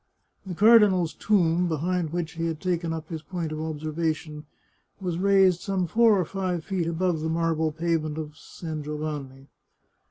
The cardinal's tomb, behind which he had taken up his post of observation, was raised some four or five feet above the marble pavement of San Giovanni.